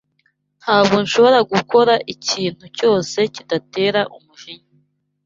Ntabwo nshobora gukora ikintu cyose kidatera umujinya.